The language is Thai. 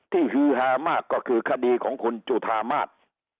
ฮือฮามากก็คือคดีของคุณจุธามาศ